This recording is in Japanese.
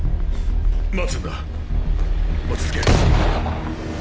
待つんだ落ち着け。